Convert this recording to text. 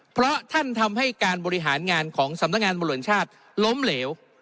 เพราะท่านทำให้การบริหารงานของสำนักงานบริหารชาติล้มเหลว